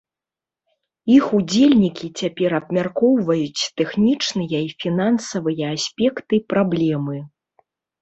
Іх удзельнікі цяпер абмяркоўваюць тэхнічныя і фінансавыя аспекты праблемы.